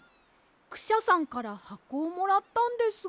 クシャさんからはこをもらったんですが。